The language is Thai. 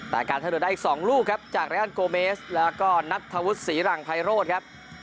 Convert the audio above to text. แต่การท่าเรือได้อีก๒ลูกครับจากรายอันโกเมสแล้วก็นัทธวุฒิศรีหลังไพโรธครับ